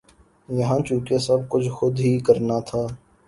یہاں چونکہ سب کچھ خود ہی کرنا تھا